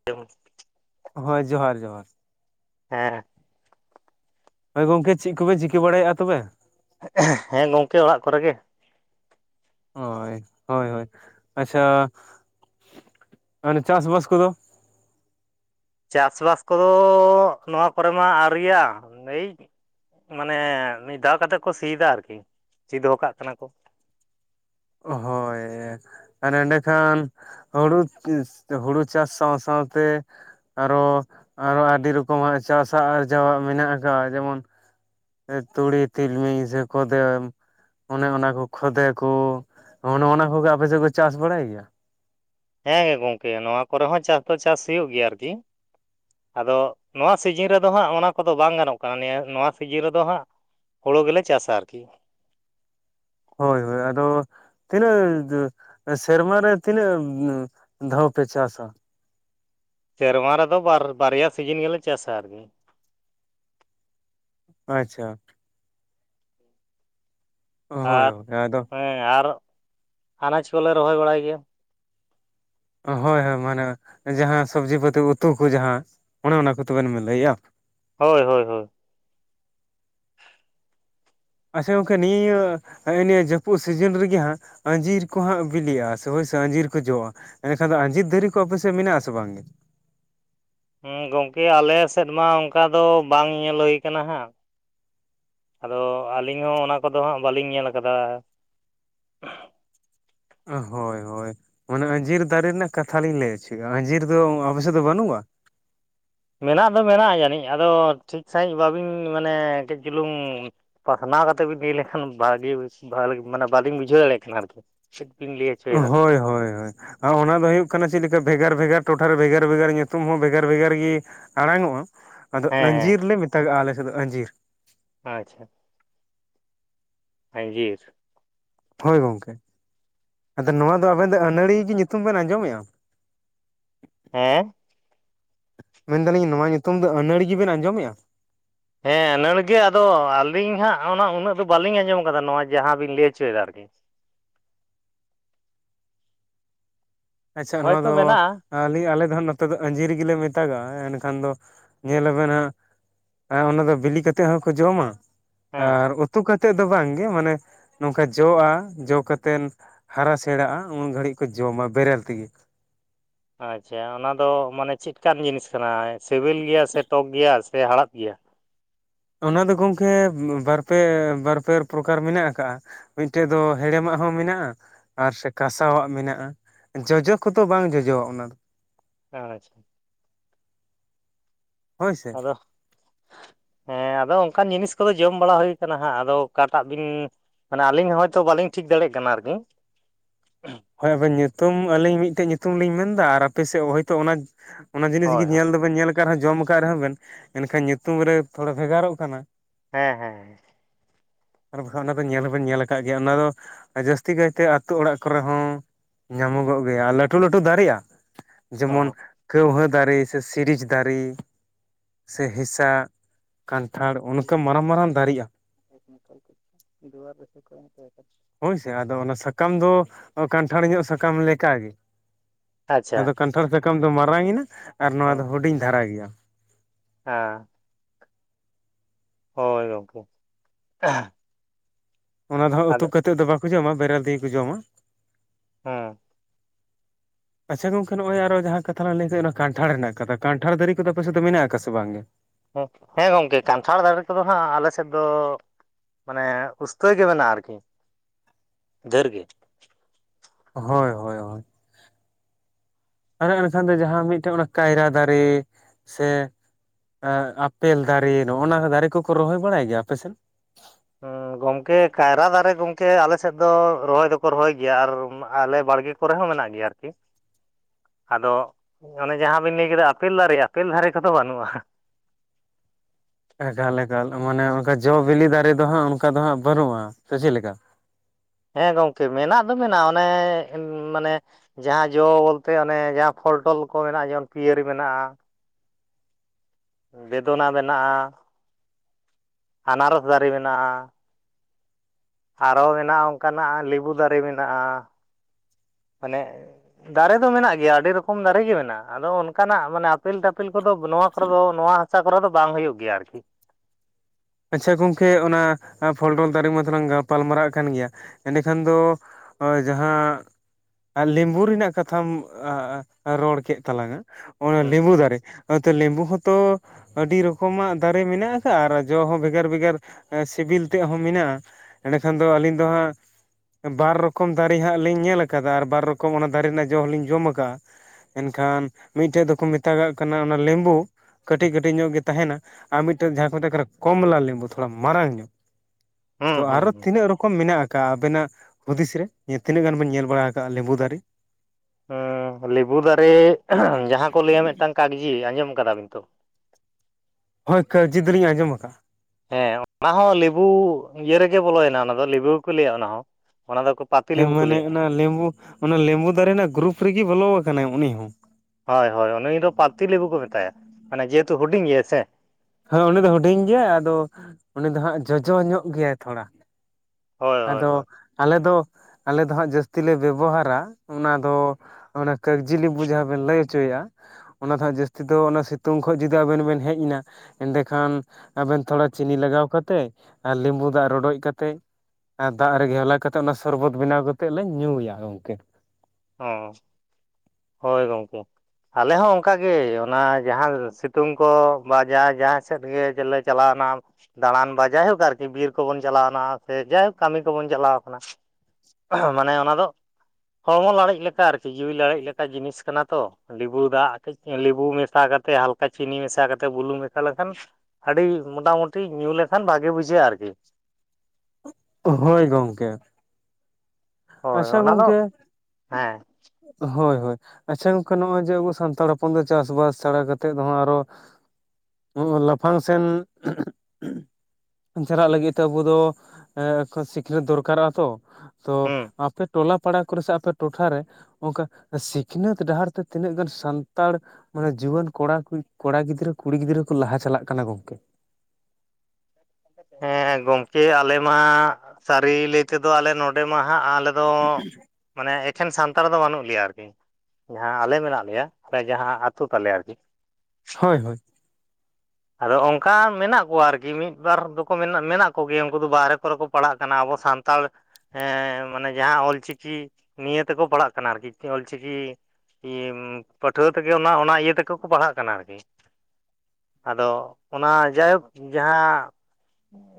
[unintelligible] ᱦᱳᱭ ᱡᱚᱦᱟᱨ ᱡᱚᱦᱟᱨ᱾ ᱦᱮᱸ᱾ ᱦᱳᱭ ᱜᱚᱝᱠᱮ ᱪᱮᱫ ᱠᱚᱯᱮ ᱪᱤᱠᱟᱹ ᱵᱟᱲᱟᱭᱮᱜ-ᱟ ᱛᱚᱵᱮ? ᱦᱮᱸ ᱜᱚᱝᱠᱮ ᱚᱲᱟᱜ ᱠᱚᱨᱮ ᱜᱮ᱾ ᱦᱳᱭ ᱦᱳᱭ ᱦᱳᱭ ᱟᱪᱪᱷᱟ ᱚᱱᱮ ᱪᱟᱥᱵᱟᱥ ᱠᱚᱫᱚ? ᱪᱟᱥᱵᱟᱥ ᱠᱚᱫᱚ ᱱᱚᱣᱟ ᱠᱚᱨᱮ ᱢᱟ ᱟᱹᱣᱨᱤᱭᱟ ᱮᱭ ᱢᱟᱱᱮ ᱢᱤᱫ ᱫᱟᱣ ᱠᱟᱛᱮᱜ ᱠᱚ ᱥᱤᱭᱮᱫᱟ ᱟᱨᱠᱤ ᱥᱤ ᱫᱚᱦᱚ ᱠᱟᱜ ᱠᱟᱱᱟ ᱠᱚ ᱾ ᱦᱳᱭ ᱾ ᱟᱨ ᱮᱸᱰᱮᱠᱷᱟᱱ ᱦᱩᱲᱩ ᱦᱩᱲᱩ ᱪᱟᱥ ᱥᱟᱶ ᱥᱟᱶᱛᱮ ᱟᱨᱚ ᱟᱨᱦᱚ ᱟᱹᱰᱤ ᱨᱚᱠᱚᱢᱟᱜ ᱪᱟᱥᱟᱜ ᱟᱨᱡᱟᱣᱟᱜ ᱢᱮᱱᱟᱜ ᱟᱠᱟᱜ-ᱟ ᱡᱮᱢᱚᱱ ᱛᱩᱲᱤ ᱛᱤᱞᱢᱤᱧ ᱥᱮ ᱠᱚᱫᱚᱢ ᱚᱱᱮ ᱚᱱᱟ ᱠᱚ ᱠᱷᱚᱫᱮ ᱠᱚ ᱦᱚᱸ ᱱᱚᱣᱟ ᱠᱚᱜᱮ ᱟᱯᱮ ᱥᱮᱫ ᱠᱚ ᱪᱟᱥ ᱵᱟᱲᱟᱭ ᱜᱮᱭᱟ? ᱦᱮᱸ ᱜᱮ ᱜᱚᱝᱠᱮ ᱱᱚᱣᱟ ᱠᱚᱨᱮ ᱦᱚᱸ ᱪᱟᱥ ᱫᱚ ᱪᱟᱥ ᱦᱩᱭᱩᱜ ᱜᱮᱭᱟ ᱟᱨᱠᱤ᱾ ᱟᱫᱚ ᱱᱚᱣᱟ ᱥᱤᱡᱤᱱ ᱨᱮᱫᱚ ᱦᱟᱸᱜ ᱚᱱᱟ ᱠᱚᱫᱚ ᱵᱟᱝ ᱜᱟᱱᱚᱜ ᱠᱟᱱᱟ ᱱᱤᱭᱟᱹ ᱱᱚᱣᱟ ᱥᱤᱡᱤᱱ ᱨᱮᱫᱚ ᱦᱟᱸᱜ ᱦᱳᱲᱳ ᱜᱮᱞᱮ ᱪᱟᱥᱟ ᱟᱨᱠᱤ ᱾ ᱦᱳᱭ ᱦᱳᱭ ᱟᱫᱚ ᱛᱤᱱᱟᱹᱜ ᱥᱮᱨᱢᱟ ᱨᱮ ᱛᱤᱱᱟᱹᱜ ᱫᱷᱟᱣ ᱯᱮ ᱪᱟᱥᱟ? ᱥᱮᱨᱢᱟ ᱨᱮᱫᱚ ᱵᱟᱨ ᱵᱟᱨᱭᱟ ᱥᱤᱡᱤᱱ ᱜᱮᱞᱮ ᱪᱟᱥᱟ ᱟᱨᱠᱤ ᱾ ᱟᱪᱪᱷᱟ ᱾ ᱚ ᱦᱳᱭ ᱟᱨ [unintelligible] ᱫᱚ ᱟᱨ ᱟᱱᱟᱡᱽ ᱠᱚᱞᱮ ᱨᱚᱦᱚᱭ ᱵᱟᱲᱟᱭ ᱜᱮᱭᱟ ᱾ ᱦᱳᱭ ᱦᱳᱭ ᱢᱟᱱᱮ ᱡᱟᱦᱟᱸ ᱥᱚᱵᱽᱡᱤ ᱯᱟᱛᱤ ᱩᱛᱩ ᱠᱚ ᱡᱟᱦᱟᱸ ᱚᱱᱮ ᱚᱱᱟ ᱠᱚ ᱛᱚᱵᱮᱱ ᱞᱟᱹᱭᱮᱜ-ᱟ? ᱦᱳᱭ ᱦᱳᱭ ᱦᱳᱭ ᱾ ᱟᱪᱪᱷᱟ ᱜᱚᱝᱠᱮ ᱱᱤᱭᱭᱟᱹ ᱦᱮ ᱮ ᱱᱤᱭᱟᱹ ᱡᱟᱹᱯᱩᱫ ᱥᱤᱡᱤᱱ ᱨᱮᱜᱮ ᱦᱟᱸᱜ ᱟᱹᱡᱤᱨ ᱠᱚ ᱦᱟᱸᱜ ᱵᱤᱞᱤᱜ-ᱟ ᱥᱮ ᱦᱳᱭ ᱥᱮ ᱟᱹᱡᱤᱨ ᱠᱚ ᱡᱚᱜ-ᱟ ᱾ ᱮᱸᱰᱮᱠᱷᱟᱱ ᱫᱚ ᱟᱸᱡᱤᱛ ᱫᱟᱹᱨᱤ ᱠᱚ ᱟᱯᱮᱥᱮᱜ ᱢᱤᱱᱟᱜ ᱟᱥᱮ ᱵᱟᱝᱜᱮ? ᱦᱮᱸ ᱜᱚᱝᱠᱮ ᱟᱞᱮ ᱥᱮᱫ ᱢᱟ ᱚᱝᱠᱟ ᱫᱚ ᱵᱟᱝ ᱧᱮᱞ ᱦᱩᱭ ᱠᱟᱱᱟ ᱦᱟᱸᱜ ᱾ ᱟᱫᱚ ᱟᱹᱞᱤᱧ ᱦᱚᱸ ᱚᱱᱟ ᱠᱚᱫᱚ ᱦᱟᱸᱜ ᱵᱟᱞᱤᱧ ᱧᱮᱞ ᱟᱠᱟᱫᱟ ᱾ ᱦᱳᱭ ᱦᱳᱭ ᱢᱟᱱᱮ ᱟᱸᱡᱤᱨ ᱫᱟᱨᱮ ᱨᱮᱱᱟᱜ ᱠᱟᱛᱷᱟ ᱞᱤᱧ ᱞᱟᱹᱭ ᱦᱚᱪᱚᱭᱮᱜ-ᱟ ᱟᱸᱡᱤᱨ ᱫᱚ ᱟᱯᱮ ᱥᱮᱫ ᱫᱚ ᱵᱟᱹᱱᱩᱜ-ᱟ? ᱢᱮᱱᱟᱜ ᱫᱚ ᱢᱮᱱᱟᱜ-ᱟ ᱡᱟᱹᱱᱤᱡ ᱟᱫᱚ ᱴᱷᱤᱠ ᱥᱟᱹᱦᱤᱡ ᱵᱟᱵᱤᱱ ᱢᱟᱱᱮ ᱠᱟᱹᱡ ᱪᱩᱞᱩᱝ ᱯᱟᱥᱱᱟᱣ ᱠᱟᱛᱮ ᱵᱤᱱ ᱞᱟᱹᱭ ᱞᱮᱠᱷᱟᱱ ᱵᱷᱟᱜᱤ ᱵᱷᱟᱞᱤ ᱢᱟᱱᱮ ᱵᱟᱞᱤᱧ ᱵᱩᱡᱷᱟᱹᱣ ᱫᱟᱲᱮᱜ ᱠᱟᱱᱟ ᱟᱨᱠᱤ ᱾ ᱪᱮᱫ ᱠᱤᱱ ᱞᱟᱹᱭ ᱦᱳᱭ ᱦᱳᱭ ᱦᱳᱭ ᱾ ᱟᱸ ᱚᱱᱟ ᱫᱚ ᱦᱩᱭᱩᱜ ᱠᱟᱱᱟ ᱪᱤᱫ ᱞᱤᱠᱟ ᱵᱷᱮᱜᱟᱨ ᱵᱷᱮᱜᱟᱨ ᱴᱚᱴᱷᱟᱨᱮ ᱵᱷᱮᱜᱟᱨ ᱵᱷᱮᱜᱟᱨ ᱧᱩᱛᱩᱢ ᱦᱚᱸ ᱵᱷᱮᱜᱟᱨ ᱵᱷᱮᱜᱟᱨ ᱜᱤ ᱾ ᱟᱲᱟᱝᱚᱜ-ᱟ ᱟᱫᱚ ᱦᱮᱸ ᱦᱮᱸ ᱟᱹᱡᱤᱨ ᱞᱮ ᱢᱮᱛᱟᱜᱟᱜ-ᱟ ᱟᱞᱮ ᱥᱮᱫ ᱫᱚ ᱟᱹᱡᱤᱨ ᱾ ᱟᱪᱪᱷᱟ ᱾ ᱟᱸᱭᱡᱤᱨ ᱦᱳᱭ ᱜᱚᱝᱠᱮ ᱾ ᱟᱫᱚ ᱱᱚᱣᱟ ᱫᱚ ᱟᱵᱮᱱ ᱫᱚ ᱟᱹᱱᱟᱹᱲᱤᱭ ᱜᱤ ᱧᱩᱛᱩᱢ ᱵᱮᱱ ᱟᱸᱡᱚᱢᱮᱜ-ᱟ? ᱦᱮᱸ ᱾ ᱢᱮᱱᱫᱟᱞᱤᱧ ᱱᱚᱣᱟ ᱧᱩᱛᱩᱢ ᱫᱚ ᱟᱹᱱᱟᱹᱲᱤ ᱜᱮᱵᱮᱱ ᱟᱸᱡᱚᱢᱮᱜ-ᱟ? ᱦᱮᱸ ᱟᱹᱱᱟᱹᱲᱤᱜᱮ ᱟᱫᱚ ᱟᱹᱞᱤᱧ ᱦᱟᱸᱜ ᱚᱱᱟ ᱩᱱᱟᱹᱜ ᱫᱚ ᱵᱟᱞᱤᱧ ᱟᱸᱡᱚᱢ ᱠᱟᱫᱟ ᱱᱚᱣᱟ ᱡᱟᱦᱟᱸ ᱵᱤᱱ ᱞᱟᱹᱭ ᱦᱚᱪᱚᱭᱮᱫᱟ ᱟᱨᱠᱤ ᱾ ᱟᱪᱪᱷᱟ ᱱᱚᱣᱟ ᱦᱳᱭᱛᱳ ᱫᱚ ᱢᱮᱱᱟᱜᱼᱟ ᱟᱹᱞᱤᱧ ᱟᱞᱮ ᱫᱚ ᱦᱟᱸᱜ ᱱᱚᱛᱮ ᱫᱚ ᱟᱹᱡᱤᱨ ᱜᱤᱞᱤ ᱢᱤᱛᱟᱜᱟᱜ-ᱟ ᱮᱱᱠᱷᱟᱱ ᱫᱚ ᱧᱮᱞ ᱟᱵᱮᱱ ᱦᱟᱸᱜ ᱟᱸ ᱚᱱᱟ ᱫᱚ ᱵᱤᱞᱤ ᱠᱟᱛᱮᱜ ᱦᱚᱸᱠᱚ ᱡᱚᱢᱟ ᱦᱮᱸ ᱟᱨ ᱩᱛᱩ ᱩᱛᱩ ᱠᱟᱛᱮᱫ ᱫᱚ ᱵᱟᱝᱜᱮ, ᱢᱟᱱᱮ ᱱᱚᱝᱠᱟ ᱡᱚᱜ-ᱟ ᱡᱚ ᱠᱟᱛᱮᱱ ᱦᱟᱨᱟ ᱥᱮᱬᱟᱜ-ᱟ ᱩᱱ ᱜᱷᱟᱹᱲᱤᱡ ᱠᱚ ᱡᱚᱢᱟ ᱵᱮᱨᱮᱞ ᱛᱤᱜᱤ ᱾ ᱟᱪᱪᱷᱟ ᱚᱱᱟ ᱫᱚ ᱢᱟᱱᱮ ᱪᱤᱫᱠᱟᱱ ᱡᱤᱱᱤᱥ ᱠᱟᱱᱟ ᱥᱮᱵᱮᱞ ᱜᱮᱭᱟ ᱥᱮ ᱴᱚᱠ ᱜᱮᱭᱟ ᱥᱮ ᱦᱟᱲᱟᱫ ᱜᱮᱭᱟ? ᱚᱱᱟ ᱫᱚ ᱜᱚᱝᱠᱮ ᱵᱟᱨ ᱯᱮ ᱵᱟᱨ ᱯᱮ ᱯᱨᱚᱠᱟᱨ ᱢᱮᱱᱟᱜ ᱟᱠᱟᱜ-ᱟ ᱾ ᱢᱤᱫᱴᱮᱡ ᱫᱚ ᱦᱮᱲᱮᱢᱟᱜ ᱦᱚᱸ ᱢᱮᱱᱟᱜ-ᱟ ᱟᱨ ᱥᱮ ᱠᱟᱥᱟᱣᱟᱜ ᱢᱮᱱᱟᱜ-ᱟ ᱾ ᱡᱚᱡᱚ ᱠᱚᱫᱚ ᱵᱟᱝ ᱡᱚᱡᱚᱣᱟᱜ ᱚᱱᱟ ᱫᱚ ᱾ ᱟᱪᱷᱟ ᱾ ᱦᱳᱭ ᱥᱮ ᱟᱫᱚ ᱾ [unintelligible] ᱦᱮᱸ ᱟᱫᱚ ᱚᱝᱠᱟᱱ ᱡᱤᱱᱤᱥ ᱠᱚᱫᱚ ᱡᱚᱢ ᱵᱟᱲᱟ ᱦᱩᱭ ᱠᱟᱱᱟ ᱦᱟᱸᱜ ᱟᱫᱚ ᱚᱠᱟᱴᱟᱜ ᱵᱤᱱ ᱢᱟᱱᱮ ᱟᱹᱞᱤᱧ ᱦᱚᱸ ᱦᱚᱭᱛᱚ ᱵᱟᱞᱤᱧ ᱴᱷᱤᱠ ᱫᱟᱲᱮᱜ ᱠᱟᱱᱟ ᱟᱨᱠᱤ ᱾ ᱦᱳᱭ ᱟᱵᱮᱱ ᱧᱩᱛᱩᱢ ᱟᱹᱞᱤᱧ ᱢᱤᱫᱴᱮᱡ ᱧᱩᱛᱩᱢ ᱞᱤᱧ ᱢᱮᱱᱫᱟ ᱟᱨ ᱟᱯᱮᱥᱮᱫ ᱦᱚᱭᱛᱳ ᱚᱱᱟ ᱚᱱᱟ ᱡᱤᱱᱤᱥ ᱦᱳᱭ ᱜᱤ ᱦᱳᱭ ᱧᱮᱞ ᱫᱚᱵᱮᱱ ᱧᱮᱞ ᱟᱠᱟᱫ ᱨᱮᱦᱚᱸ ᱡᱚᱢ ᱟᱠᱟᱜ ᱨᱮᱦᱚᱸ ᱵᱮᱱ ᱮᱱᱠᱷᱟᱱ ᱧᱩᱛᱩᱢ ᱨᱮ ᱛᱷᱚᱲᱟ ᱵᱷᱮᱜᱟᱨᱚᱜ ᱠᱟᱱᱟ ᱾ ᱦᱮᱸ ᱦᱮᱸ ᱦᱮᱸ ᱾ ᱟᱨ ᱵᱟᱠᱷᱟᱜ ᱚᱱᱟ ᱫᱚ ᱧᱮᱞ ᱦᱚᱵᱮᱱ ᱧᱮᱞ ᱟᱠᱟᱫ ᱜᱮᱭᱟ ᱚᱱᱟ ᱫᱚ ᱡᱟᱹᱥᱛᱤ ᱠᱟᱭᱛᱮ ᱟᱛᱳ ᱚᱲᱟᱜ ᱠᱚᱨᱮ ᱦᱚᱸ ᱧᱟᱢᱚᱜᱚᱜ ᱜᱮᱭᱟ ᱞᱟᱹᱴᱷᱩ ᱞᱟᱹᱴᱷᱩ ᱫᱟᱨᱮᱹᱜᱼᱟ ᱡᱮᱢᱚᱱ ᱦᱚᱸ ᱠᱟᱹᱣᱦᱟᱹ ᱫᱟᱨᱮ ᱥᱮ ᱥᱤᱨᱤᱡᱽ ᱫᱟᱨᱤ ᱥᱮ ᱦᱮᱸᱥᱟᱜ, ᱠᱟᱱᱴᱷᱟᱲ ᱚᱱᱠᱟ ᱢᱟᱨᱟᱝ ᱢᱟᱨᱟᱝ ᱫᱟᱨᱤᱜᱼᱟ ᱾ [unintelligible] ᱦᱳᱭᱥᱮ ᱟᱫᱚ ᱚᱱᱟ ᱥᱟᱠᱟᱢ ᱫᱚ ᱠᱟᱱᱴᱷᱟᱲ ᱧᱚᱜ ᱥᱟᱠᱟᱢ ᱞᱮᱠᱟᱜᱮ ᱾ ᱟᱪᱪᱷᱟ ᱟᱫᱚ ᱠᱟᱱᱴᱷᱟᱲ ᱥᱟᱠᱟᱢ ᱫᱚ ᱢᱟᱨᱟᱝᱮᱱᱟ ᱟᱨ ᱦᱮᱸ ᱱᱚᱣᱟ ᱫᱚ ᱦᱩᱰᱤᱧ ᱫᱷᱟᱨᱟ ᱜᱮᱭᱟ ᱾ ᱦᱮᱸ ᱾ ᱦᱳᱭ ᱜᱚᱝᱠᱮ ᱾ ᱚᱱᱟ ᱫᱚ ᱦᱟᱸᱜ ᱩᱛᱩᱜ ᱠᱟᱛᱮᱫ ᱫᱚ ᱵᱟᱠᱚ ᱡᱚᱢᱟ ᱵᱮᱨᱮᱞ ᱛᱤᱜᱤ ᱠᱚ ᱡᱚᱢᱟ ᱾ ᱦᱮᱸ ᱾ [unintelligible] ᱟᱪᱪᱷᱟ ᱜᱚᱝᱠᱮ ᱱᱚᱜᱼᱚᱭ ᱟᱨᱚ ᱡᱟᱦᱟᱸ ᱠᱟᱛᱷᱟ ᱞᱟᱝ ᱞᱟᱹᱭ ᱠᱮᱫ ᱚᱱᱟ ᱠᱟᱱᱴᱷᱟᱲ ᱨᱮᱱᱟᱜ ᱠᱟᱛᱟ ᱠᱟᱱᱴᱷᱟᱲ ᱫᱟᱨᱤ ᱠᱚᱫᱚ ᱟᱯᱮᱥᱮᱫ ᱫᱚ ᱢᱮᱱᱟᱜ ᱟᱠᱟ ᱥᱮ ᱵᱟᱝᱜᱮ? ᱦᱮᱸ ᱜᱚᱝᱠᱮ ᱠᱟᱱᱴᱷᱟᱲ ᱫᱟᱨᱮ ᱠᱚᱫᱚ ᱦᱟᱸᱜ ᱟᱞᱮ ᱥᱮᱫ ᱫᱚ ᱢᱟᱱᱮ ᱩᱥᱛᱟᱹᱭ ᱜᱮ ᱢᱮᱱᱟᱜᱼᱟ ᱟᱨᱠᱤ ᱰᱷᱮᱨ ᱜᱮ ᱾ ᱦᱳᱭ ᱦᱳᱭ ᱦᱳᱭ ᱾ ᱮᱱᱮ ᱮᱱᱮᱠᱷᱟᱱ ᱫᱚ ᱡᱟᱦᱟᱸ ᱢᱤᱫᱴᱮᱱ ᱚᱱᱟ ᱠᱟᱭᱨᱟ ᱫᱟᱨᱮ ᱥᱮ ᱟᱯᱮᱞ ᱫᱟᱨᱮ ᱱᱚᱜᱚᱱᱟ ᱫᱟᱨᱮ ᱠᱚᱠᱚ ᱨᱚᱦᱚᱭ ᱵᱟᱲᱟᱭ ᱜᱮᱭᱟ ᱟᱯᱮᱥᱫ? ᱦᱸ ᱜᱚᱝᱠᱮ ᱠᱟᱭᱨᱟ ᱫᱟᱨᱮ ᱜᱚᱝᱠᱮ ᱟᱞᱮ ᱥᱮᱫ ᱫᱚ ᱨᱚᱦᱚᱭ ᱫᱚᱠᱚ ᱨᱚᱦᱚᱭ ᱜᱮᱭᱟ ᱟᱨ ᱟᱞᱮ ᱵᱟᱲᱜᱮ ᱠᱚᱨᱮ ᱦᱚᱸ ᱢᱮᱱᱟᱜ ᱜᱮᱭᱟ ᱟᱨᱠᱤ ᱾ [unintelligible] ᱟᱫᱚ ᱚᱱᱮ ᱡᱟᱦᱟᱸ ᱵᱤᱱ ᱞᱟᱹᱭ ᱠᱮᱫᱟ ᱟᱯᱮᱞ ᱫᱟᱨᱮ ᱟᱯᱮᱞ ᱫᱟᱨᱮ ᱠᱚᱫᱚ ᱵᱟᱱᱩᱜᱼᱟ ᱾ ᱮᱠᱟᱞ ᱮᱠᱟᱞ ᱢᱟᱱᱮ ᱚᱱᱠᱟ ᱡᱚ ᱵᱤᱞᱤ ᱫᱟᱨᱮ ᱫᱚ ᱦᱟᱸᱜ ᱚᱱᱠᱟ ᱫᱚ ᱦᱟᱸᱜ ᱵᱟᱹᱱᱩᱜᱼᱟ ᱾ ᱥᱮ ᱪᱮᱫᱞᱮᱠᱟ? ᱦᱮᱸ ᱜᱚᱝᱠᱮ ᱢᱮᱱᱟᱜ ᱫᱚ ᱢᱮᱱᱟᱜᱼᱟ ᱚᱱᱮ ᱢᱟᱱᱮ ᱡᱟᱦᱟᱸ ᱡᱚ ᱵᱚᱞᱛᱮ ᱚᱱᱮ ᱡᱟᱦᱟᱸ ᱯᱷᱚᱞᱴᱚᱞ ᱠᱚ ᱢᱮᱱᱟᱜᱼᱟ ᱡᱮᱢᱚᱱ ᱯᱤᱭᱟᱹᱨᱤ ᱢᱮᱱᱟᱜᱼᱟ ᱾ ᱵᱮᱫᱚᱱᱟ ᱢᱮᱱᱟᱜᱼᱟ ᱾ ᱟᱱᱟᱨᱚᱥ ᱫᱟᱨᱮ ᱢᱮᱱᱟᱜᱼᱟ ᱾ ᱟᱨᱚ ᱢᱮᱱᱟᱜᱼᱟ ᱚᱱᱠᱟᱱᱟᱜ ᱞᱤᱵᱩ ᱫᱟᱨᱮ ᱢᱮᱱᱟᱜᱼᱟ ᱾ ᱢᱟᱱᱮ ᱫᱟᱨᱮ ᱫᱚ ᱢᱮᱱᱟᱜ ᱜᱮᱭᱟ ᱟᱹᱰᱤ ᱨᱚᱠᱚᱢ ᱫᱟᱨᱮ ᱜᱮ ᱢᱮᱱᱟᱜᱼᱟ ᱟᱫᱚ ᱚᱱᱠᱟᱱᱟᱜ ᱢᱟᱱᱮ ᱟᱯᱮᱞ ᱴᱟᱯᱮᱞ ᱠᱚᱫᱚ ᱱᱚᱣᱟ ᱠᱚᱨᱮ ᱫᱚ ᱱᱚᱣᱟ ᱦᱟᱥᱟ ᱠᱚᱨᱮ ᱫᱚ ᱵᱟᱝ ᱦᱩᱭᱩᱜ ᱜᱮᱭᱟ ᱟᱨᱠᱤ ᱾ ᱟᱪᱪᱷᱟ ᱜᱚᱝᱠᱮ ᱚᱱᱟ ᱯᱷᱚᱞᱰᱚᱞ ᱫᱟᱨᱮ ᱢᱟᱛᱚ ᱞᱟᱝ ᱜᱟᱯᱟᱞᱢᱟᱨᱟᱜ ᱠᱟᱱ ᱜᱮᱭᱟ ᱮᱸᱰᱮᱠᱷᱟᱱ ᱫᱚ ᱦᱳᱭ ᱡᱟᱦᱟᱸ ᱞᱮᱢᱵᱩ ᱨᱮᱱᱟᱜ ᱠᱟᱛᱷᱟᱢ ᱨᱚᱲ ᱠᱮᱫ ᱛᱟᱞᱟᱝᱼᱟ ᱚᱱᱟ ᱦᱩᱸ ᱞᱢᱮᱵᱩ ᱫᱟᱨᱮ [unintelligible] ᱞᱮᱵᱩ ᱦᱚᱸᱛᱚ ᱟᱹᱰᱤ ᱨᱚᱠᱚᱢᱟᱜ ᱫᱟᱨᱮ ᱢᱮᱱᱟᱜ ᱟᱠᱟᱫᱼᱟ ᱟᱨ ᱡᱚ ᱦᱚᱸ ᱵᱷᱮᱜᱟᱨ ᱵᱷᱮᱜᱟᱨ ᱥᱤᱵᱤᱞ ᱛᱮᱫ ᱦᱚᱸ ᱢᱮᱱᱟᱜᱼᱟ ᱮᱸᱰᱮᱠᱷᱟᱱ ᱫᱚ ᱟᱹᱞᱤᱧ ᱫᱚ ᱦᱟᱸᱜ ᱵᱟᱨ ᱨᱚᱠᱚᱢ ᱫᱟᱨᱮ ᱦᱟᱸᱜ ᱞᱤᱧ ᱧᱮᱞ ᱠᱟᱫᱟ ᱟᱨ ᱵᱟᱨ ᱨᱚᱠᱚᱢ ᱚᱱᱟ ᱫᱟᱨᱮ ᱨᱮᱱᱟᱜ ᱡᱚ ᱦᱚᱞᱤᱧ ᱡᱚᱢ ᱠᱟᱜᱼᱟ ᱾ ᱢᱮᱱᱠᱷᱟᱱ ᱢᱤᱫᱴᱮᱡ ᱫᱚᱠᱚ ᱢᱮᱛᱟᱜᱟᱜ ᱠᱟᱱᱟ ᱚᱱᱟ ᱞᱮᱢᱵᱩ᱾ ᱠᱟᱹᱴᱤᱡ ᱠᱟᱹᱴᱤᱡ ᱧᱚᱜ ᱜᱮ ᱛᱟᱦᱮᱱᱟ᱾ ᱟᱨ ᱢᱤᱫᱴᱮᱱ ᱡᱟᱦᱟᱸ ᱠᱚ ᱢᱮᱛᱟ ᱠᱟᱱᱟ, ᱠᱚᱢᱞᱟ ᱞᱮᱢᱵᱩ ᱛᱷᱚᱲᱟ ᱢᱟᱨᱟᱝ ᱧᱚᱜ, ᱦᱩᱸ ᱛᱚ ᱦᱩᱸ ᱟᱨᱚ ᱛᱤᱱᱟᱹᱜ ᱨᱚᱠᱚᱢ ᱢᱮᱱᱟᱜ ᱟᱠ, ᱠᱟᱜᱼᱟ ᱟᱵᱮᱱᱟᱜ ᱦᱩᱫᱤᱥ ᱨᱮ, ᱛᱤᱱᱟᱹᱜ ᱜᱟᱱ ᱵᱮᱱ ᱧᱮᱞ ᱵᱟᱲᱟ ᱟᱠᱟᱜᱼᱟ ᱞᱮᱵᱩ ᱫᱟᱨᱮ ᱟᱨ? ᱦᱮᱸ ᱞᱮᱵᱩ ᱫᱟᱨᱮ ᱡᱟᱦᱟᱸ ᱠᱚ ᱞᱟᱹᱭᱟ ᱢᱮᱫᱴᱟᱝ ᱠᱟᱜᱡᱤ ᱟᱸᱡᱚᱢ ᱟᱠᱟᱫᱟ ᱵᱤᱱ ᱛᱚ, ᱦᱳᱭ ᱠᱟᱹᱣᱡᱤ ᱫᱚᱞᱤᱧ ᱟᱸᱚᱢ ᱠᱟᱜᱼᱟ᱾ ᱦᱮᱸ ᱚᱱᱟ ᱦᱚᱸ ᱞᱮᱵᱩ ᱤᱭᱟᱹ ᱨᱮᱜᱮ ᱵᱚᱞᱚᱭᱮᱱᱟ ᱚᱱᱟ ᱫᱚ ᱞᱮᱵᱩ ᱜᱮᱠᱚ ᱞᱟᱹᱭᱟ, ᱚᱱᱟ ᱦᱚᱸ ᱚᱱᱟ ᱫᱚᱠᱚ ᱯᱟᱹᱛᱤ ᱦᱮᱸ ᱞᱮᱵᱩ ᱠᱚ ᱢᱟᱱᱮ ᱞᱟᱹᱭᱟ ᱚᱱᱟ ᱞᱮᱢᱵᱩ ᱚᱱᱟ ᱞᱮᱢᱵᱩ ᱫᱟᱨᱮ ᱨᱮᱱᱟᱜ ᱜᱨᱩᱯ ᱨᱮᱜᱮ ᱵᱚᱞᱚᱣ ᱟᱠᱟᱱᱟᱭ ᱩᱱᱤ ᱦᱚᱸ᱾ ᱦᱳᱭ ᱦᱳᱭ ᱱᱩᱭ ᱫᱚ ᱯᱟᱯᱛᱤ ᱞᱮᱵᱩ ᱠᱚ ᱢᱮᱛᱟᱭᱟ ᱢᱟᱱᱮ ᱾ᱡᱮᱦᱮᱛᱩ ᱦᱩᱰᱤᱧ ᱜᱮᱭᱟ ᱥᱮ, ᱦᱮᱸ ᱩᱱᱤ ᱫᱚ ᱦᱩᱰᱤᱧ ᱜᱮᱭᱟᱭ ᱟᱫᱚ ᱩᱱᱤ ᱫᱚ ᱦᱟᱸᱜ ᱡᱚᱡᱚ ᱧᱚᱜ ᱜᱮᱭᱟᱭ ᱛᱷᱚᱲᱟ᱾ ᱦᱳᱭ ᱦᱳᱭ ᱟᱫᱚ ᱦᱳᱭ ᱟᱞᱮ ᱫᱚ ᱟᱞᱮ ᱫᱚ ᱦᱟᱸᱜ ᱡᱟᱹᱥᱛᱤ ᱞᱮ ᱵᱮᱵᱚᱦᱟᱨᱟ ᱚᱱᱟ ᱫᱚ, ᱚᱱᱟ ᱠᱟᱜᱽᱡᱤ ᱞᱤᱵᱩ ᱡᱟᱦᱟ ᱵᱮᱱ ᱞᱟᱹᱭ ᱦᱚᱪᱚᱭᱮᱟ, ᱚᱱᱟᱫᱚ ᱦᱟ ᱡᱟᱹᱥᱛᱤ ᱫᱚ ᱚᱱᱟ ᱥᱤᱛᱩᱝ ᱠᱷᱚᱱ ᱡᱩᱫᱤ ᱟᱵᱮᱱ ᱵᱮᱱ ᱦᱮᱡ ᱮᱱᱟ, ᱮᱸᱰᱮᱠᱷᱟᱱ ᱟᱵᱮᱱ ᱛᱷᱚᱲᱟ ᱪᱤᱱᱤ ᱞᱟᱜᱟᱣ ᱠᱟᱛᱮᱫ, ᱟᱨ ᱞᱮᱵᱩ ᱫᱟᱜ ᱨᱚᱰᱚᱡ ᱠᱟᱛᱮ ᱟᱨ ᱫᱟᱜ ᱨᱮ ᱜᱷᱮᱣᱞᱟ ᱠᱟᱛᱮᱫ ᱚᱱᱟ ᱥᱚᱨᱵᱚᱛ ᱵᱮᱱᱟᱣ ᱠᱟᱛᱮᱫ ᱞᱮ ᱧᱩᱭᱟ ᱜᱚᱝᱠᱮ, ᱚ [inaudible] ᱦᱳᱭ ᱜᱚᱝᱠᱮ ᱟᱞᱮ ᱦᱚᱸ ᱚᱱᱠᱟᱜᱮ ᱚᱱᱟ ᱡᱟᱦᱟᱸ ᱥᱤᱛᱩᱝ ᱠᱚ ᱵᱟ ᱡᱟ ᱡᱟᱦᱟᱸ ᱥᱮᱫ ᱜᱮ ᱡᱮᱞᱮ, ᱪᱟᱞᱟᱣᱱᱟ, ᱫᱟᱬᱟᱱ ᱵᱟ ᱡᱟᱭᱦᱳᱠ ᱟᱨᱠᱤ ᱵᱤᱨ ᱠᱚᱵᱚᱱ ᱪᱟᱞᱟᱣᱱᱟ ᱥᱮ ᱡᱟᱭᱦᱳᱠ ᱠᱟᱹᱢᱤ ᱠᱚᱵᱚᱱ ᱪᱟᱞᱟᱣ ᱠᱟᱱᱟ, ᱢᱟᱱᱮ ᱚᱱᱟ ᱫᱚ, ᱦᱚᱲᱢᱚ ᱞᱟᱲᱮᱡ ᱞᱮᱠᱟ ᱟᱨᱠᱤ ᱡᱤᱣᱤ ᱞᱟᱲᱮᱡ ᱞᱮᱠᱟ ᱡᱤᱱᱤᱥ ᱠᱟᱱᱟ ᱛᱚ᱾ ᱞᱮᱵᱩ ᱫᱟᱜ ᱠᱟᱹᱡ ᱞᱮᱵᱩ ᱢᱮᱥᱟ ᱠᱟᱛᱮ ᱦᱟᱞᱠᱟ ᱪᱤᱱᱤ ᱢᱮᱥᱟ ᱠᱟᱛᱮ ᱵᱩᱞᱩᱝ ᱢᱮᱥᱟ ᱞᱮᱠᱷᱟᱱ, ᱟᱹᱰᱤ ᱢᱚᱴᱟᱢᱩᱴᱤ ᱧᱩ ᱞᱮᱠᱷᱟᱱ ᱵᱷᱟᱜᱮ ᱵᱩᱡᱷᱟᱹᱜᱼᱟ ᱟᱨᱠᱤ᱾ ᱦᱳᱭ ᱜᱚᱝᱠᱮ, [inaudible] ᱦᱳᱭ ᱟᱪᱪᱷᱟ ᱚᱱᱟ ᱫᱚ ᱜᱚᱝᱠᱮ ᱦᱮᱸ [inaudible] ᱦᱳᱭ ᱦᱳᱭ, ᱟᱪᱪᱷᱟ ᱜᱚᱝᱠᱮ ᱱᱚᱜᱼᱚᱭ ᱡᱮ ᱟᱵᱚ ᱥᱟᱱᱛᱟᱲ ᱦᱚᱯᱚᱱ ᱫᱚ ᱪᱟᱥᱵᱟᱥ ᱪᱷᱟᱲᱟ ᱠᱟᱛᱮᱫ ᱦᱚ ᱟᱨᱦᱚ, ᱱᱚᱜ ᱞᱟᱯᱷᱟᱝ ᱥᱮᱱ [unintelligible] ᱪᱟᱞᱟᱜ ᱞᱟᱹᱜᱤᱫ ᱛᱮ ᱟᱵᱚ ᱫᱚ, ᱮ ᱠᱷᱚ ᱥᱤᱠᱷᱱᱟᱹᱛ ᱫᱚᱨᱠᱟᱨᱚᱜᱼᱟ ᱛᱚ, ᱛᱚ ᱦᱩᱸ ᱟᱯᱮ ᱴᱚᱞᱟ ᱯᱟᱲᱟ ᱠᱚᱨᱮ ᱥᱮ ᱟᱯᱮ ᱴᱚᱴᱷᱟᱨᱮ, ᱚᱱᱠᱟ ᱥᱤᱠᱷᱱᱟᱹᱛ ᱰᱟᱦᱟᱨ ᱛᱮ ᱛᱤᱱᱟᱹᱜ ᱜᱟᱱ ᱥᱟᱱᱛᱟᱲ ᱢᱟᱱᱮ ᱡᱩᱣᱟᱹᱱ ᱠᱚᱲᱟ ᱠᱩᱲᱤ ᱠᱚᱲᱟ ᱜᱤᱫᱽᱨᱟᱹ ᱠᱩᱲᱤ ᱜᱤᱫᱽᱨᱟᱹ ᱠᱚ ᱞᱟᱦᱟ ᱪᱟᱞᱟᱜ ᱠᱟᱱᱟ ᱜᱚᱝᱠᱮ? ᱦᱮᱸ ᱜᱚᱝᱠᱮ ᱟᱞᱮ ᱢᱟ ᱥᱟᱹᱨᱤ ᱞᱟᱹᱭ ᱛᱮᱫᱚ ᱟᱞᱮ ᱱᱚᱰᱮ ᱢᱟ ᱦᱟᱸᱜ ᱟᱞᱮ ᱫᱚ, ᱢᱟᱱᱮ ᱮᱠᱷᱮᱱ ᱥᱟᱱᱛᱟᱲ ᱫᱚ ᱵᱟᱹᱱᱩᱜ ᱞᱮᱭᱟ ᱟᱨᱠᱤ, ᱡᱟᱦᱟᱸ ᱟᱞᱮ ᱢᱮᱱᱟᱜ ᱞᱮᱭᱟ ᱟᱞᱮ ᱡᱟᱦᱟᱸ ᱟᱛᱩ ᱛᱟᱞᱮ ᱟᱨᱠᱤ, ᱦᱳᱭ ᱦᱳᱭ, ᱟᱫᱚ ᱚᱱᱠᱟ ᱢᱮᱱᱟᱜ ᱠᱚᱣᱟ ᱟᱨᱠᱤ ᱢᱤᱫ ᱵᱟᱨ ᱫᱚᱠᱚ ᱢᱮᱱᱟᱜ ᱠᱚᱜᱮᱭᱟ ᱩᱱᱠᱩ ᱫᱚ ᱵᱟᱦᱨᱮ ᱠᱚᱨᱮ ᱠᱚ ᱯᱟᱲᱦᱟᱜ ᱠᱟᱱᱟ, ᱟᱵᱚ ᱥᱟᱱᱛᱟᱲ ᱦᱮᱸ ᱢᱟᱱᱮ ᱡᱟᱦᱟᱸ ᱚᱞᱪᱤᱠᱤ ᱱᱤᱭᱮ ᱛᱮᱠᱚ ᱯᱟᱲᱦᱟᱜ ᱠᱟᱱᱟ ᱟᱨᱠᱤ ᱚᱞᱪᱤᱠᱤ, ᱯᱟᱹᱴᱷᱩᱣᱟᱹ ᱛᱮᱜᱮ ᱚᱱᱟ ᱚᱱᱟ ᱤᱭᱟᱹ ᱛᱮᱜᱮ ᱠᱚ ᱯᱟᱲᱦᱟᱜ ᱠᱟᱱᱟ ᱟᱨᱠᱤ, ᱟᱫᱚ ᱚᱱᱟ ᱡᱟᱭᱦᱳᱠ, ᱡᱟᱦᱟᱸ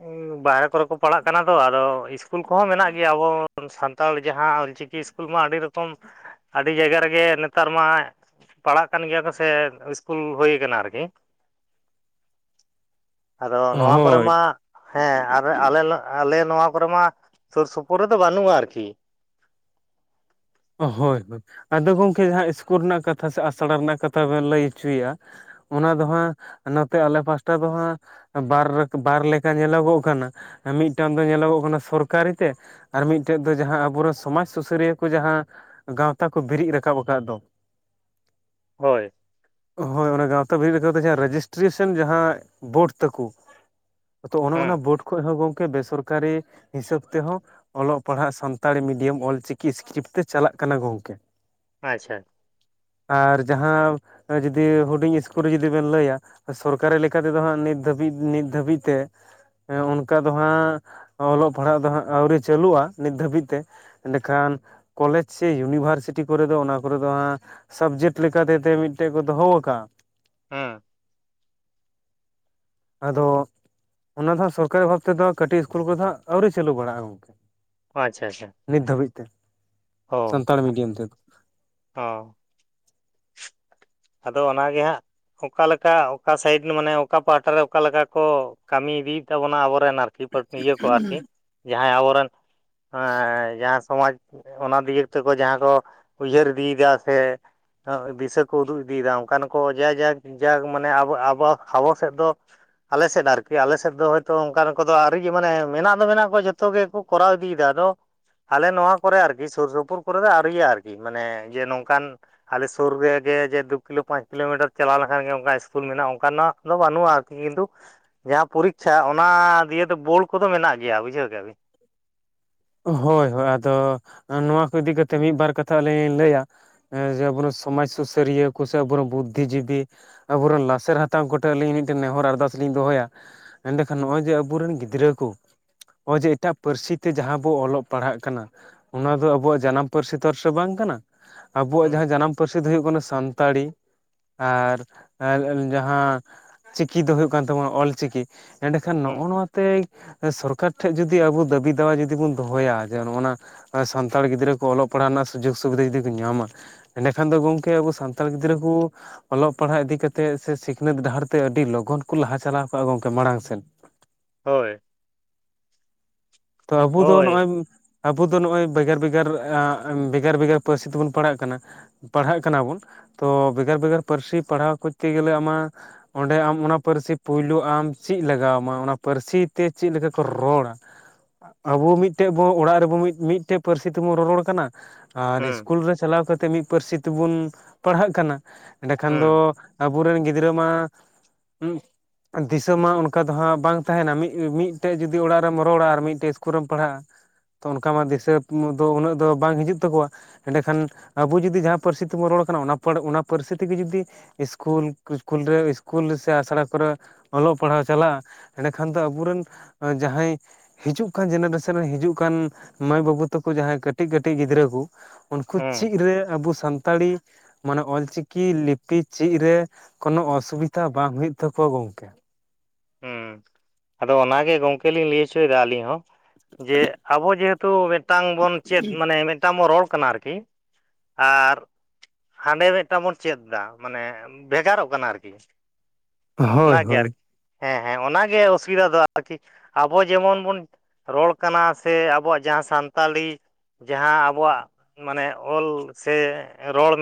ᱦ [inaudible] ᱵᱟᱨᱦᱨᱮ ᱠᱚᱨᱮ ᱠᱚ ᱯᱟᱲᱦᱟᱜ ᱠᱟᱱᱟ ᱛᱚ, ᱟᱫᱚ ᱤᱥᱠᱩᱞ ᱠᱚᱦᱚᱸ ᱢᱮᱱᱟᱜ ᱜᱮᱭᱟ ᱟᱵᱚ ᱥᱟᱱᱛᱟᱲ ᱡᱟᱦᱟᱸ ᱚᱞᱪᱤᱠᱤ ᱤᱥᱠᱩᱞ ᱢᱟ ᱟᱹᱰᱤ ᱨᱚᱠᱚᱢ ᱟᱹᱰᱤ ᱡᱟᱭᱜᱟ ᱨᱮᱜᱮ ᱱᱮᱛᱟᱨ ᱢᱟ ᱯᱟᱲᱦᱟᱜ ᱠᱟᱱ ᱜᱮᱭᱟ ᱠᱚ ᱥᱮ, ᱤᱥᱠᱩᱞ ᱦᱩᱭ ᱠᱟᱱᱟ ᱟᱨᱠᱤ, [inaudible] ᱟᱫᱚ ᱱᱚᱣᱟ ᱠᱚ ᱠᱚᱨᱮ ᱦᱳᱭ ᱢᱟ ᱦᱮ᱾ ᱟᱨ ᱟᱞᱮᱞ ᱟᱞᱮ ᱱᱚᱣᱟ ᱠᱚᱨᱮ ᱢᱟ ᱥᱩᱨ ᱥᱩᱯᱩᱨ ᱨᱮᱫᱚ ᱵᱟᱹᱱᱩᱜ-ᱟ ᱟᱨᱠᱤ᱾ ᱦᱳᱭ ᱦᱳᱭ᱾ ᱟᱫᱚ ᱜᱚᱝᱠᱮ ᱡᱟᱦᱟᱸ ᱤᱥᱠᱩᱞ ᱨᱮᱱᱟᱜ ᱠᱟᱛᱷᱟ ᱥᱮ ᱟᱥᱲᱟ ᱨᱮᱱᱟᱜ ᱠᱟᱛᱷᱟ ᱵᱮᱱ ᱞᱟᱹᱭ ᱪᱩᱭ-ᱟ ᱚᱱᱟ ᱫᱚ ᱦᱟᱸ, ᱱᱚᱛᱮ ᱟᱞᱮ ᱯᱟᱥᱴᱟ ᱫᱚ ᱦᱟᱸ ᱵᱟᱨ ᱵᱟᱨ ᱞᱮᱠᱟ ᱧᱮᱞᱚᱜᱚᱜ ᱠᱟᱱᱟ᱾ ᱢᱤᱫᱴᱟᱝ ᱫᱚ ᱧᱮᱞᱚᱜᱚᱜ ᱠᱟᱱᱟ ᱥᱚᱨᱠᱟᱨᱤ ᱛᱮ, ᱟᱨ ᱢᱤᱫᱴᱮᱡ ᱫᱚ ᱡᱟᱦᱟᱸ ᱟᱵᱚᱨᱮᱱ ᱥᱚᱢᱟᱡᱽ ᱥᱩᱥᱟᱹᱨᱤᱭᱟᱹ ᱠᱚ ᱡᱟᱦᱟᱸ ᱜᱟᱶᱛᱟ ᱠᱚ ᱵᱤᱨᱤᱫ ᱨᱟᱠᱟᱵ ᱠᱟᱫ ᱫᱚ, ᱦᱳᱭ᱾ ᱦᱳᱭ ᱚᱱᱟ ᱜᱟᱶᱛᱟ ᱵᱤᱨᱤᱫ ᱠᱟᱛᱮ ᱡᱟᱦᱟᱸ ᱨᱮᱡᱤᱥᱴᱨᱤᱥᱮᱱ ᱡᱟᱦᱟᱸ ᱵᱳᱰ ᱛᱟᱠᱩ ᱟᱫᱚ ᱚᱱᱚ ᱦᱮᱸ ᱚᱱᱟ ᱵᱳᱰ ᱠᱷᱚᱡ ᱦᱚᱸᱚᱸ ᱜᱚᱝᱼ ᱠᱮ ᱵᱮᱥᱚᱨᱠᱟᱨᱤ ᱦᱤᱥᱟᱹᱵ ᱛᱮᱦᱚᱸ ᱚᱞᱚᱜ ᱯᱟᱲᱦᱟᱜ ᱥᱟᱱᱛᱟᱲᱤ ᱢᱤᱰᱤᱭᱟᱢ ᱚᱞ ᱪᱤᱠᱤ ᱤᱥᱠᱨᱤᱯᱴᱛᱮ ᱪᱟᱞᱟᱜ ᱠᱟᱱᱟ ᱜᱚᱝᱠᱮ᱾ ᱟᱸᱪᱪᱷᱟ᱾ ᱟᱨ ᱡᱟᱦᱟᱸ, ᱡᱩᱫᱤ ᱦᱩᱰᱤᱧ ᱤᱥᱠᱩᱞ ᱨᱮ ᱡᱩᱫᱤ ᱵᱮᱱ ᱞᱟᱹᱭᱟ ᱥᱚᱨᱠᱟᱨᱤ ᱞᱮᱠᱟ ᱛᱮᱫᱚ ᱦᱟᱸᱜ ᱱᱤᱛ ᱫᱷᱟᱹᱵᱤᱡ ᱱᱤᱛ ᱫᱷᱟᱹᱵᱤᱡ ᱛᱮ ᱚᱱᱠᱟ ᱫᱚ ᱦᱟᱸᱜ ᱚᱞᱚᱜ ᱯᱟᱲᱦᱟᱜ ᱫᱚ ᱦᱟᱸᱜ ᱟᱹᱣᱨᱤ ᱪᱟᱹᱞᱩᱜ-ᱟ, ᱱᱤᱛ ᱫᱷᱟᱹᱵᱤᱡ ᱛᱮ᱾ ᱮᱸᱰᱮ ᱠᱷᱟᱱ ᱠᱚᱞᱮᱡᱽ ᱥᱮ ᱤᱭᱩᱱᱤᱵᱷᱟᱨᱥᱤᱴᱤ ᱠᱚᱨᱮ ᱫᱚ ᱚᱱᱟ ᱠᱚᱨᱮ ᱫᱚ ᱦᱟᱸᱜ ᱥᱟᱵᱡᱮᱠᱴ ᱞᱮᱠᱟᱛᱮᱛᱮ ᱢᱤᱫᱴᱮᱡ ᱠᱚ ᱫᱚᱦᱚ ᱠᱟᱜ-ᱟ, ᱦᱩᱸ ᱟᱫᱚᱻ ᱚᱱᱟ ᱫᱚ ᱥᱚᱨᱠᱟᱨᱤ ᱵᱷᱟᱵ ᱛᱮᱫᱚ ᱠᱟᱹᱴᱤᱡ ᱤᱥᱠᱩᱞ ᱠᱚᱨᱮ ᱫᱚ ᱦᱟᱸᱜ ᱟᱹᱣᱨᱤ ᱪᱟᱹᱞᱩ ᱵᱟᱲᱟᱜᱼᱟ ᱜᱚᱢᱠᱮ᱾ ᱟᱪᱪᱷᱟ ᱟᱪᱪᱷᱟ᱾ ᱱᱤᱛ ᱫᱷᱟᱹᱵᱤᱡ ᱛᱮ᱾ ᱦᱳᱭ ᱥᱟᱱᱛᱟᱲ ᱢᱤᱰᱤᱭᱟᱢ ᱛᱮᱫᱚ ᱟ ᱚᱻ ᱟᱫᱚ ᱚᱱᱟᱜᱮ ᱦᱟᱸᱜ, ᱚᱠᱟᱞᱮᱠᱟ ᱚᱠᱟ ᱥᱟᱭᱤᱰ ᱢᱟᱱᱮ ᱚᱠᱟ ᱯᱟᱦᱴᱟ ᱨᱮ ᱚᱠᱟᱞᱮᱠᱟ ᱠᱚ ᱠᱟᱹᱢᱤ ᱤᱫᱤᱭᱮᱫ ᱛᱟᱵᱚᱱᱟ ᱟᱵᱚᱨᱮᱱᱟᱨᱠᱤ ᱠᱤ ᱯᱟ ᱤᱭᱟᱹ ᱠᱚ ᱟᱨᱠᱤ, ᱡᱟᱦᱟᱸᱭ ᱟᱵᱚᱨᱮᱱ ᱮᱸᱻ ᱡᱟᱦᱟᱸ ᱥᱚᱢᱟᱡᱽ ᱚᱱᱟ ᱫᱤᱩᱮᱹᱠ ᱛᱮᱠᱚ ᱡᱟᱦᱟᱸ ᱠᱚ ᱩᱭᱦᱟᱹᱨ ᱤᱫᱤᱭᱫᱟ ᱥᱮ ᱫᱤᱥᱟᱹ ᱠᱚ ᱩᱫᱩᱜ ᱤᱫᱤᱭᱮᱫᱟ ᱚᱱᱠᱟᱱ ᱠᱚ ᱡᱟ ᱡᱟᱠ ᱡᱟᱠ ᱢᱟᱱᱮ ᱟᱵᱚ ᱟᱵᱚ ᱟᱵᱚ ᱥᱮᱫ ᱫᱚᱼᱼ ᱟᱞᱮᱥᱮᱫ ᱟᱨᱠᱤ, ᱟᱞᱮ ᱥᱮᱫ ᱫᱚ ᱦᱚᱭᱛᱳ ᱚᱱᱠᱟᱱ ᱠᱚᱫᱚ ᱟᱹᱣᱨᱤᱮ ᱢᱟᱱᱮ ᱢᱮᱱᱟᱜ ᱫᱚ ᱢᱮᱱᱟᱜ ᱠᱚᱣᱟ ᱡᱚᱛᱚ ᱜᱮᱠᱚ ᱠᱚᱨᱟᱣ ᱤᱫᱤᱭᱫᱟ ᱟᱫᱚᱼᱼ ᱟᱞᱮ ᱱᱚᱣᱟ ᱠᱚᱨᱮ ᱟᱨᱠᱤ, ᱥᱩᱨ ᱥᱩᱯᱩᱨ ᱠᱚᱨᱮ ᱫᱚ ᱟᱨᱤᱭᱟ ᱟᱨᱠᱤ ᱢᱟᱱᱮ ᱡᱮ ᱱᱚᱝᱠᱟᱱ ᱟᱞᱮ ᱥᱩᱨ ᱨᱮᱜᱮ ᱡᱮ ᱫᱩ ᱠᱤᱞᱳ ᱯᱟᱸᱪ ᱠᱤᱞᱳᱢᱤᱴᱟᱨ ᱪᱟᱞᱟᱣ ᱞᱮᱠᱷᱟᱱ ᱜᱮ ᱚᱱᱠᱟ ᱤᱥᱠᱩᱞ ᱢᱮᱱᱟᱜ-ᱟ ᱚᱱᱠᱟᱱᱟᱜ ᱢᱟᱱᱩᱜ-ᱟ ᱟᱨᱠᱤ ᱠᱤᱱᱛᱩ ᱡᱟᱦᱟᱸ ᱯᱚᱨᱤᱠᱷᱟ ᱚᱱᱟ ᱫᱤᱭᱮᱫᱚ ᱵᱳᱰ ᱠᱚᱫᱚ ᱢᱮᱱᱟᱜ ᱜᱮᱭᱟ ᱵᱩᱡᱷᱟᱹᱣ ᱠᱮᱭᱟ ᱵᱤᱱ? ᱦᱳᱭ ᱦᱳᱭ ᱟᱫᱚᱻ ᱱᱚᱣᱟ ᱠᱚ ᱤᱫᱤ ᱠᱟᱛᱮ ᱢᱤᱫᱵᱟᱨ ᱠᱟᱛᱷᱟ ᱟᱹᱞᱤᱧ ᱞᱤᱧ ᱞᱟᱹᱭᱟ ᱦᱮᱸ ᱡᱮ ᱟᱵᱚ ᱥᱚᱢᱟᱡᱽ ᱥᱩᱥᱟᱹᱨᱤᱭᱟᱹ ᱠᱚ ᱥᱮ ᱟᱵᱚᱨᱮᱱ ᱵᱩᱫᱽᱫᱷᱤ ᱡᱤᱵᱤ, ᱟᱵᱚᱨᱮᱱ ᱞᱟᱥᱮᱨ ᱦᱟᱛᱟᱝ ᱠᱚᱴᱷᱮᱱ ᱟᱹᱞᱤᱧ ᱢᱤᱫᱴᱮᱱ ᱱᱮᱦᱚᱨ ᱟᱨᱫᱟᱥ ᱞᱤᱧ ᱫᱚᱦᱚᱭᱟ ᱮᱸᱰᱮᱠᱷᱟᱱ ᱱᱚᱜ-ᱚᱭ ᱡᱮ ᱟᱵᱚᱨᱮᱱ ᱜᱤᱫᱽᱨᱟᱹ ᱠᱚ ᱱᱚᱜ-ᱚᱭ ᱡᱮ ᱮᱴᱟᱜ ᱯᱟᱹᱨᱥᱤ ᱛᱮ ᱡᱟᱦᱟᱸ -ᱵᱚ ᱚᱞᱚᱜ ᱯᱟᱲᱦᱟᱜ ᱠᱟᱱᱟ, ᱚᱱᱟ ᱫᱚ ᱟᱵᱚᱣᱟᱜ ᱡᱟᱱᱟᱢ ᱯᱟᱹᱨᱥᱤ ᱛᱚ ᱟᱨᱥᱮ ᱵᱟᱝ ᱠᱟᱱᱟ᱾ ᱟᱵᱚᱣᱟᱜ ᱦᱩᱸ ᱡᱟᱦᱟᱸ ᱡᱟᱱᱟᱢ ᱯᱟᱹᱨᱥᱤ ᱫᱚ ᱦᱩᱭᱩᱜ ᱠᱟᱱᱟ ᱥᱟᱱᱛᱟᱲᱤ ᱟᱨ ᱡᱟᱦᱟᱸ ᱪᱤᱠᱤ ᱫᱚ ᱦᱩᱭᱩᱜ ᱠᱟᱱ ᱛᱟᱵᱳᱱᱟ ᱚᱞ ᱪᱤᱠᱤ᱾ ᱮᱸᱰᱮᱠᱷᱟᱱ ᱦᱩᱸ ᱱᱚᱜ-ᱚ ᱱᱚᱣᱟᱛᱮ ᱥᱚᱨᱠᱟᱨ ᱴᱷᱮᱱ ᱡᱩᱫᱤ ᱟᱵᱚ ᱫᱟᱹᱵᱤ ᱫᱟᱣᱟ ᱡᱩᱫᱤ ᱵᱚᱱ ᱫᱚᱦᱚᱭᱟ ᱡᱮ ᱱᱚᱜ-ᱚᱱᱟ ᱥᱟᱱᱛᱟᱲ ᱜᱤᱫᱽᱨᱟᱹ ᱠᱚ ᱚᱞᱚᱜ ᱯᱟᱲᱦᱟᱜ ᱨᱮᱱᱟᱜ ᱥᱩᱡᱳᱜᱽ ᱥᱩᱵᱤᱫᱷᱟ ᱡᱩᱫᱤ ᱠᱚ ᱧᱟᱢ-ᱟ, ᱮᱸᱰᱮᱠᱷᱟᱱ ᱫᱚ ᱜᱚᱝᱠᱮ ᱟᱵᱚ ᱥᱟᱱᱛᱟᱲ ᱜᱤᱫᱽᱨᱟᱹ ᱠᱚ ᱚᱞᱚᱜ ᱯᱟᱲᱦᱟᱜ ᱤᱫᱤ ᱠᱟᱛᱮᱫ ᱥᱮ ᱥᱤᱠᱷᱱᱟᱹᱛ ᱰᱟᱦᱟᱨ ᱛᱮ ᱟᱹᱰᱤ ᱞᱚᱜᱚᱱ ᱠᱚ ᱞᱟᱦᱟ ᱪᱟᱞᱟᱣ ᱠᱚᱜᱼᱟ ᱜᱚᱝᱠᱮ ᱢᱟᱲᱟᱝ ᱥᱮᱱ᱾ ᱦᱳᱭ ᱛᱚ ᱟᱵᱚ ᱫᱚ ᱦᱳᱭ ᱱᱚᱜᱼᱚᱭ ᱟᱵᱚ ᱫᱚ ᱱᱚᱜᱼᱚᱭ ᱵᱷᱮᱜᱟᱨ ᱵᱷᱮᱜᱟᱨ ᱵᱷᱮᱜᱟᱨ ᱵᱷᱮᱜᱟᱨ ᱯᱟᱹᱨᱥᱤ ᱛᱮᱵᱚᱱ ᱯᱟᱲᱦᱟᱜ ᱠᱟᱱᱟ ᱯᱟᱲᱦᱟᱜ ᱠᱟᱱᱟ ᱵᱚᱱ ᱛᱚ ᱵᱷᱮᱜᱟᱨ ᱵᱷᱮᱜᱟᱨ ᱯᱟᱹᱨᱥᱤ ᱯᱟᱲᱦᱟᱣ ᱠᱚᱨᱛᱮ ᱜᱮᱞᱮ ᱟᱢᱟᱜ ᱚᱸᱰᱮ ᱟᱢ ᱚᱱᱟ ᱯᱟᱹᱨᱥᱤ ᱯᱩᱭᱞᱩ ᱟᱢ ᱪᱮᱫ ᱞᱟᱜᱟᱣ ᱟᱢᱟ ᱚᱱᱟ ᱯᱟᱹᱨᱥᱤ ᱛᱮ ᱪᱮᱫ ᱞᱮᱠᱟ ᱠᱚ ᱨᱚᱲᱟ ᱟᱵᱚ ᱢᱤᱫᱴᱮᱡ ᱵᱚ ᱚᱲᱟᱜ ᱨᱮᱵᱚ ᱢᱤᱫᱴᱮᱡ ᱯᱟᱹᱨᱥᱤ ᱛᱮᱵᱚᱱ ᱨᱚᱨᱚᱲ ᱠᱟᱱᱟ ᱟᱨ ᱦᱩᱸ ᱤᱥᱠᱩᱞ ᱨᱮ ᱪᱟᱞᱟᱣ ᱠᱟᱛᱮᱫ ᱢᱤᱫ ᱯᱟᱹᱨᱥᱤ ᱛᱮᱵᱚᱱ ᱯᱟᱲᱦᱟᱜ ᱠᱟᱱᱟ ᱮᱸᱰᱮᱠᱷᱟᱱ ᱫᱚ ᱦᱩᱸ ᱟᱵᱚᱨᱮᱱ ᱜᱤᱫᱽᱨᱟᱹ ᱢᱟ ᱫᱤᱥᱚᱢ ᱢᱟ ᱚᱱᱠᱟ ᱫᱚ ᱦᱟᱸᱜ ᱵᱟᱝ ᱛᱟᱦᱮᱱᱟ ᱢᱤᱫᱴᱮᱡ ᱡᱩᱫᱤ ᱚᱲᱟᱜ ᱨᱮᱢ ᱨᱚᱲᱟ ᱟᱨ ᱢᱤᱫ ᱴᱮᱡ ᱤᱥᱠᱤᱞ ᱨᱮᱢ ᱯᱟᱲᱦᱟᱜᱼᱟ ᱛᱚ ᱚᱱᱠᱟ ᱢᱟ ᱫᱤᱥᱟᱹ ᱫᱚ ᱩᱱᱟᱹᱜ ᱫᱚ ᱵᱟᱝ ᱦᱤᱡᱩᱜ ᱛᱟᱠᱚᱣᱟ ᱮᱸᱰᱮᱠᱷᱟᱱ ᱟᱵᱚ ᱡᱩᱫᱤ ᱡᱟᱦᱟᱸ ᱯᱟᱹᱨᱥᱤ ᱛᱮᱵᱚᱱ ᱨᱚᱲ ᱠᱟᱱᱟ ᱚᱱᱟ ᱚᱱᱟ ᱯᱟᱹᱨᱥᱤ ᱛᱮᱜᱮ ᱡᱩᱫᱤ ᱤᱥᱠᱩᱞ ᱤᱥᱠᱩᱞ ᱨᱮ ᱤᱥᱠᱩᱞ ᱨᱮᱥᱮ ᱟᱥᱲᱟ ᱠᱚᱨᱮ ᱚᱞᱚᱜ ᱯᱟᱲᱦᱟᱣ ᱪᱟᱞᱟᱜᱼᱟ ᱮᱸᱰᱮᱠᱷᱟᱱ ᱫᱚ ᱟᱵᱚᱮᱱ ᱡᱟᱦᱟᱸᱭ ᱦᱤᱡᱩᱜ ᱠᱟᱱ ᱡᱮᱱᱨᱮᱥᱟᱱ ᱨᱮ ᱦᱤᱡᱩᱜ ᱠᱟᱱ ᱢᱟᱹᱭ ᱵᱟᱹᱵᱩ ᱛᱟᱠᱚ ᱡᱟᱦᱟᱸᱭ ᱠᱟᱹᱴᱤᱡ ᱠᱟᱹᱴᱤᱡ ᱜᱤᱫᱽᱨᱟᱹ ᱠᱚ ᱩᱱᱠᱩ ᱦᱩᱸ ᱪᱮᱫ ᱨᱮ ᱟᱵᱚ ᱥᱟᱱᱛᱟᱲᱤ ᱢᱟᱱᱮ ᱚᱞ ᱪᱤᱠᱤ ᱞᱤᱯᱤ ᱪᱮᱫ ᱨᱮ ᱠᱚᱱᱚ ᱚᱥᱩᱵᱤᱫᱷᱟ ᱵᱟᱝ ᱦᱩᱭᱩᱜ ᱛᱟᱠᱚᱣᱟ ᱜᱚᱝᱠᱮ ᱦᱮᱸ ᱟᱫᱚ ᱚᱱᱟᱜᱮ ᱜᱚᱝᱠᱮ ᱞᱤᱧ ᱞᱟᱹᱭ ᱦᱚᱪᱚᱭᱮᱫᱟ ᱟᱹᱞᱤᱧ ᱦᱚᱸ ᱡᱮ ᱟᱵᱚ ᱡᱮᱦᱮᱛᱩ ᱛᱚ ᱢᱤᱫᱴᱟᱝ ᱵᱚᱱ ᱪᱮᱫ ᱢᱟᱱᱮ ᱢᱤᱫᱴᱟᱝ ᱵᱚᱱ ᱨᱚᱲ ᱠᱟᱱᱟ ᱟᱨᱠᱤ ᱟᱨ ᱦᱟᱸᱰᱮ ᱢᱤᱫᱴᱟᱝ ᱵᱚᱱ ᱪᱮᱫ ᱮᱫᱟ ᱢᱟᱱᱮ ᱵᱷᱮᱜᱟᱨᱚᱜ ᱠᱟᱱᱟ ᱟᱨᱠᱤ ᱦᱳᱭ ᱚᱱᱟᱜᱮ ᱦᱳᱭ ᱟᱨᱠᱤ ᱦᱮᱸ ᱦᱮᱸ ᱚᱱᱟᱜᱮ ᱚᱥᱩᱵᱤᱫᱟ ᱫᱚ ᱟᱨᱠᱤ ᱟᱵᱚ ᱡᱮᱢᱚᱱ ᱵᱚᱱ ᱨᱚᱲ ᱠᱟᱱᱟ ᱥᱮ ᱟᱵᱚᱣᱟᱜ ᱡᱟᱦᱟᱸ ᱥᱟᱱᱛᱟᱞᱤ ᱡᱟᱦᱟᱸ ᱟᱵᱚᱣᱟᱜ ᱢᱟᱱᱮ ᱚᱞ ᱥᱮ ᱨᱚᱲ ᱢᱮᱱᱟᱜᱼᱟ